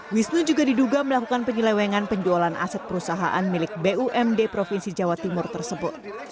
wisnu juga diduga melakukan penyelewengan penjualan aset perusahaan milik bumd provinsi jawa timur tersebut